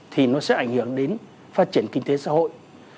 thì nó sẽ ảnh hưởng đến phát triển kinh tế xã hội